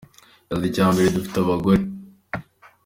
Yagize ati “Icya mbere dufite abagore.